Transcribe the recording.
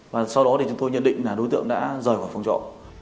và sau đó thì chúng tôi nhận định là đối tượng đã rời khỏi phòng trọ